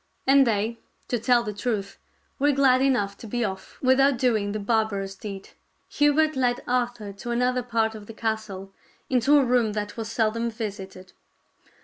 And they, to tell the truth, were glad enough to be off without doing the barbarous deed. Hubert led Arthur to another part of the castle, into a room that was seldom visited.